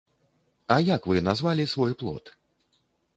А як вы назвалі свой плод?